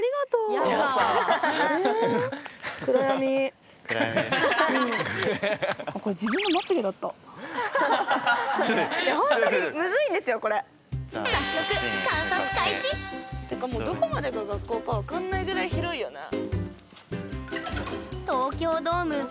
早速ってかもうどこまでが学校かわかんないぐらい広いよね。